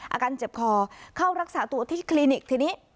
อาการเจ็บคอเข้ารักษาตัวที่คลินิกทีนี้